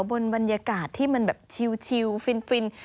บนบรรยากาศที่มันแบบชิลฟิน